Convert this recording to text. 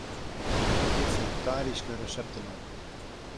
Sykje fegetaryske resepten op.